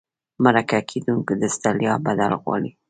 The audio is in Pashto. مرکه کېدونکي د ستړیا بدل غواړي.